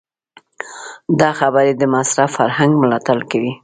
دا خبرې د مصرف فرهنګ ملاتړ کوي.